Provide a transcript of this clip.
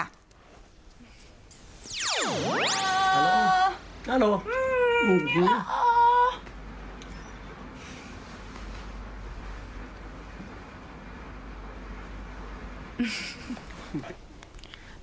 ฮัลโหลฮัลโหลอืมนี่แหละโอ้โอ้